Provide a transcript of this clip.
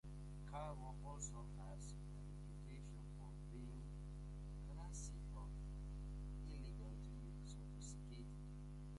Caro also has a reputation for being "classy", or elegantly sophisticated.